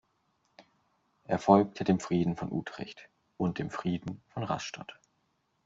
Er folgte dem Frieden von Utrecht und dem Frieden von Rastatt.